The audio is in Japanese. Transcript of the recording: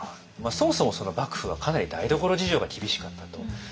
まあそもそも幕府はかなり台所事情が厳しかったと。